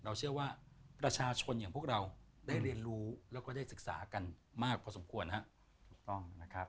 เชื่อว่าประชาชนอย่างพวกเราได้เรียนรู้แล้วก็ได้ศึกษากันมากพอสมควรครับถูกต้องนะครับ